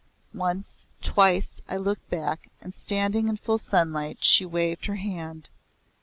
Once, twice, I looked back, and standing in full sunlight, she waved her hand.